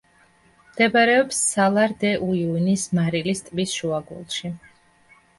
მდებარეობს სალარ-დე-უიუნის მარილის ტბის შუაგულში.